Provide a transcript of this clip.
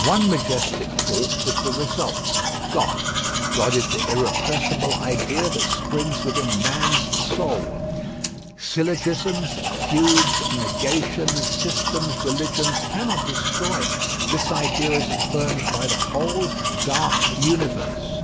One majestic thought is the result: God God is the irrepressible idea that springs within man's soul. Syllogisms, feuds, negations, systems, religions cannot destroy it. This idea is affirmed by the whole dark universe.